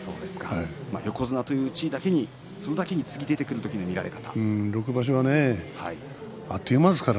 横綱という地位だけにそれだけに、次出てくる時の見極め方。